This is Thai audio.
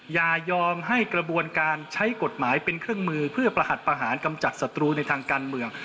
อย่ายอมให้กระบวนการใช้กฎหมายเป็นเครื่องมือเพื่อประหัสประหารกำจัดศัตรูในทางการเมือง